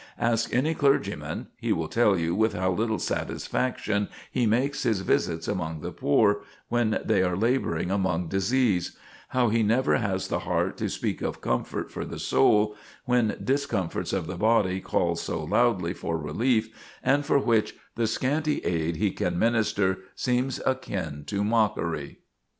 Ask any clergyman, he will tell you with how little satisfaction he makes his visits among the poor, when they are laboring among disease; how he never has the heart to speak of comfort for the soul, when discomforts of the body call so loudly for relief, and for which the scanty aid he can minister seems akin to mockery!"